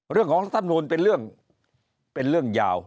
เรื่องของลักษณะนู้นเป็นเรื่องยาว